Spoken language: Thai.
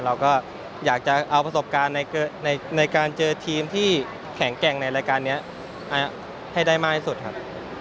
เราก็อยากจะเอาประสบการณ์ในการเจอทีมที่แข็งแกร่งในรายการนี้ให้ได้มากที่สุดครับ